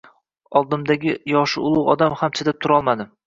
Oldimdagi yoshi ulugʻ odam ham chidab turolmadi.